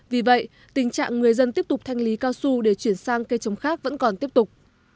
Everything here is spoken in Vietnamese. vì vậy tình trạng người dân tiếp tục thanh lý cao su để chuyển sang cây trồng khác vẫn còn tiếp tục